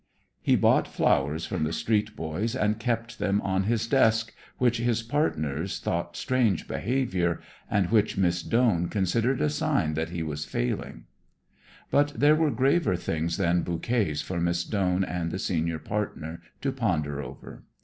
He bought flowers from the street boys and kept them on his desk, which his partners thought strange behavior, and which Miss Doane considered a sign that he was failing. But there were graver things than bouquets for Miss Doane and the senior partner to ponder over.